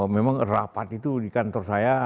memang rapat itu di kantor saya